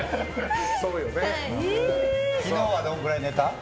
昨日はどのくらい寝た？